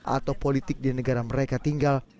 atau politik di negara mereka tinggal